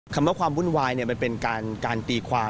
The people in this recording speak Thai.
คำว่าความวุ่นวายมันเป็นการตีความ